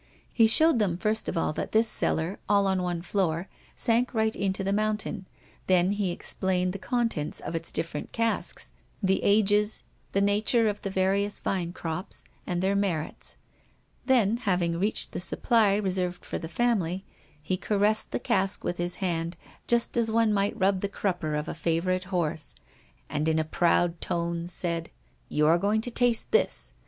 He showed them first of all that this cellar, all on one floor, sank right into the mountain, then he explained the contents of its different casks, the ages, the nature of the various vine crops, and their merits; then, having reached the supply reserved for the family, he caressed the cask with his hand just as one might rub the crupper of a favorite horse, and in a proud tone said: "You are going to taste this.